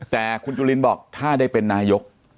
แต่คุณจุลินบอกถ้าได้เป็นนายก